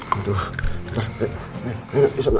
bawa baca dibuka